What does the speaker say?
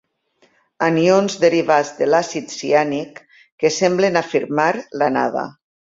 Anions derivats de l'àcid ciànic, que semblen afirmar l'anada.